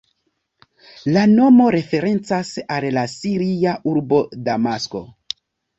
La nomo referencas al la siria urbo Damasko.